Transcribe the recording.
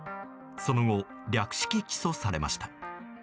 その後、略式起訴されました。